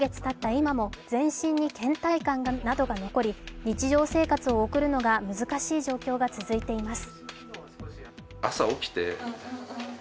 今も全身にけん怠感などが残り日常生活を送るのが難しい状況が続いています。